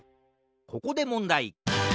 ここでもんだい！